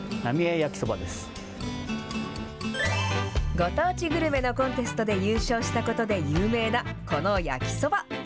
ご当地グルメのコンテストで優勝したことで有名な、この焼きそば。